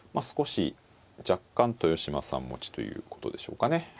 少し若干豊島さん持ちということでしょうかね。